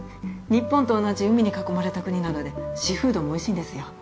日本と同じ海に囲まれた国なのでシーフードもおいしいんですよ。